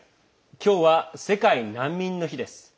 今日は、世界難民の日です。